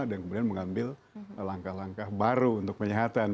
dan kemudian mengambil langkah langkah baru untuk penyihatan